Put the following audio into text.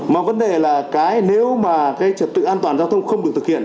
mà vấn đề là cái nếu mà cái trật tự an toàn giao thông không được thực hiện